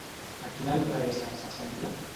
A quin altre ésser s'assembla?